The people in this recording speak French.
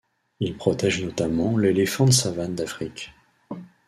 Il protège notamment l'éléphant de savane d'Afrique.